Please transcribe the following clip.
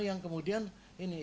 yang kemudian ini